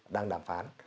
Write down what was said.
đang đàm phán